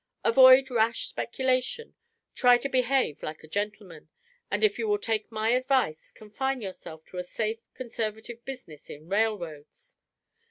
Avoid rash speculation, try to behave like a gentleman; and if you will take my advice, confine yourself to a safe, conservative business in railroads.